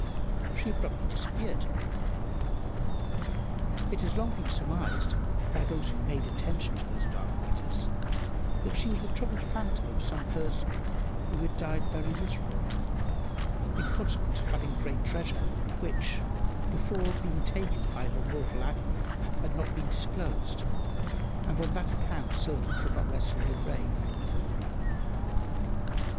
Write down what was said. She abruptly disappeared. It had long been surmised, by those who paid attention to those dark matters, that she was the troubled phantom of some person, who had died very miserable, in consequence of having great treasure, which, before being taken by her mortal agony, had not been disclosed, and on that account Silky could not rest in her grave.